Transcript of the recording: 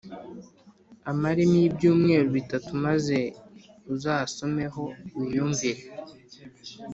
amaremo ibyumweru bitatu maze uzasomeho wiyumvire.”